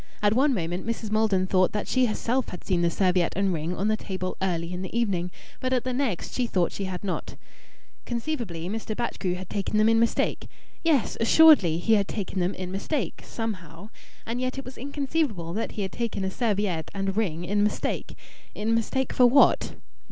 At one moment Mrs. Maldon thought that she herself had seen the serviette and ring on the table early in the evening; but at the next she thought she had not. Conceivably Mr. Batchgrew had taken them in mistake. Yes, assuredly, he had taken them in mistake somehow! And yet it was inconceivable that he had taken a serviette and ring in mistake. In mistake for what?